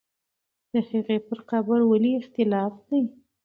د هغې پر قبر ولې اختلاف دی؟